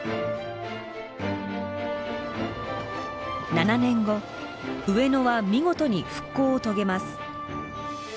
７年後上野は見事に復興を遂げます。